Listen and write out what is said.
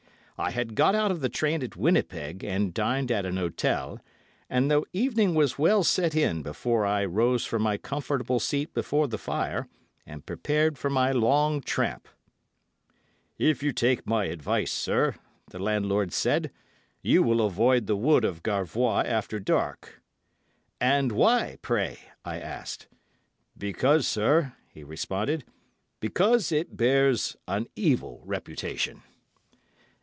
"I had got out of the train at Winnipeg, and dined at an hotel, and the evening was well set in before I rose from my comfortable seat before the fire and prepared for my long tramp. "'If you take my advice, sir,' the landlord said, 'you will avoid the wood of Garvois after dark.' 'And why, pray?' I asked. 'Because, sir,' he responded, 'because it bears an evil reputation.